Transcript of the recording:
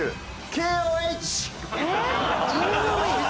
ＫＯＨ？